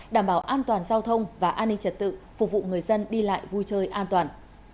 đảm bảo an toàn giao thông và an ninh trật tự phục vụ người dân đi lại vui chơi an toàn